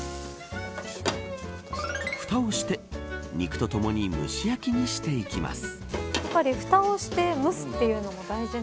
ふたをして肉とともに蒸し焼きにしていきます。